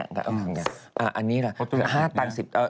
อันนี้ล่ะ๕ตั้ง๑๐